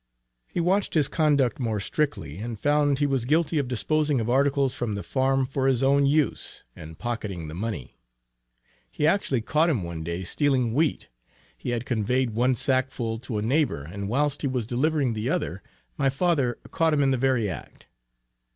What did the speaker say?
He watched his conduct more strictly, and found he was guilty of disposing of articles from the farm for his own use, and pocketing the money. He actually caught him one day stealing wheat he had conveyed one sack full to a neighbor and whilst he was delivering the other my father caught him in the very act.